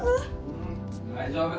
うん大丈夫